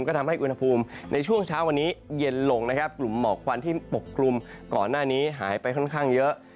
ก็ทำให้อุณหภูมิในช่วงเช้าวันนี้เย็นลงนะครับกลุ่มหมอกควันที่ปกกลุ่มก่อนหน้านี้หายไปค่อนข้างเยอะ